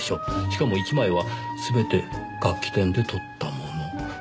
しかも１枚は全て楽器店で撮ったもの。